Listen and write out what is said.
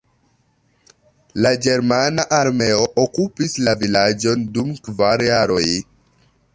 La ĝermana armeo okupis la vilaĝon dum kvar jaroj.